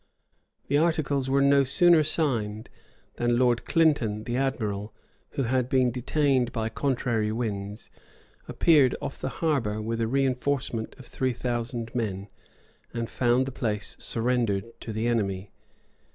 The articles were no sooner signed, than Lord Clinton, the admiral, who had been detained by contrary winds, appeared off the harbor with a reënforcement of three thousand men; and found the place surrendered to the enemy.